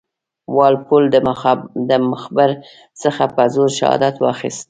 وال پول د مخبر څخه په زور شهادت واخیست.